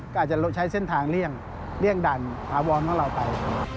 ก็อาจจะใช้เส้นทางเลี่ยงด่านถาวรของเราไป